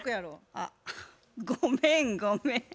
あっごめんごめん。